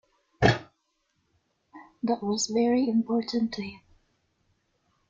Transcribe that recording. That was very important to him.